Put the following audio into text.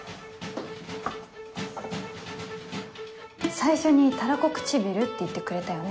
最初にタラコ唇って言ってくれたよね。